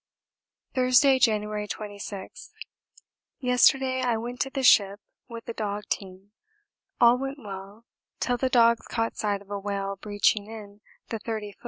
Thursday, January 26. Yesterday I went to the ship with a dog team. All went well till the dogs caught sight of a whale breeching in the 30 ft.